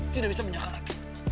tidak bisa menyakalat